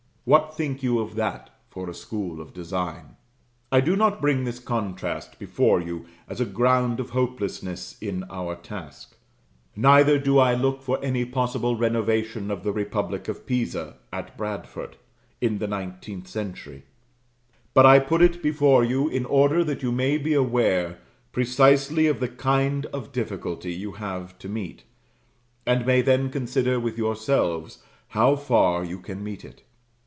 What think you of that for a school of design? I do not bring this contrast before you as a ground of hopelessness in our task; neither do I look for any possible renovation of the Republic of Pisa, at Bradford, in the nineteenth century; but I put it before you in order that you may be aware precisely of the kind of difficulty you have to meet, and may then consider with yourselves how far you can meet it.